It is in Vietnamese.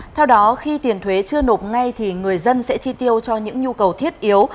theo đó khi tiền thuế chưa nộp ngay thì người dân sẽ chi tiêu cho những nhu cầu thiết yếu